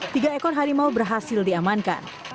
tiga ekor harimau berhasil diamankan